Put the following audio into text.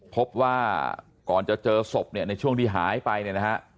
พบว่าก่อนจะเจอศพเนี่ยในช่วงที่หายไปเนี่ยนะฮะ